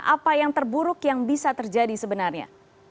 apa yang terburuk yang bisa terjadi sebenarnya